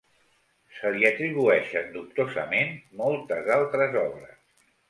Se li atribueixen dubtosament moltes altres obres.